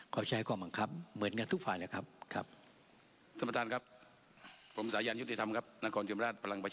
เขาใช้ข้อบังคับเหมือนกันทุกฝ่ายเลยครับ